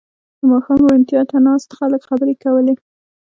• د ماښام روڼتیا ته ناست خلک خبرې کولې.